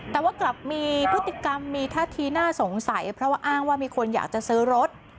แต่ว่ากลับมีพฤติกรรมมีท่าทีน่าสงสัยเพราะว่าอ้างว่ามีคนอยากจะซื้อรถ